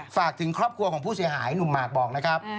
ฝากถึงครอบครัวของผู้เสียหายหนุ่มหมากบอกนะครับ